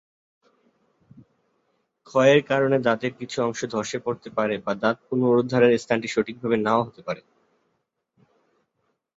ক্ষয়ের কারণে দাঁতের কিছু অংশ ধসে পড়তে পারে বা দাঁত পুনরুদ্ধারের স্থানটি সঠিকভাবে নাও হতে পারে।